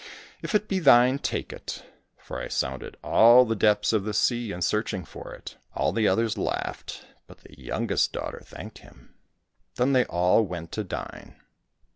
" If it be thine, take it, for I sounded all the depths of the sea in searching for it." All the others laughed, but the youngest daughter thanked him. Then they all went to dine.